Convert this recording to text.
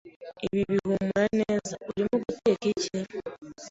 Ibi bihumura neza! Urimo guteka iki?